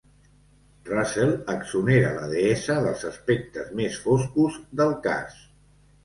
Russell exonera la deessa dels aspectes més foscos del cas.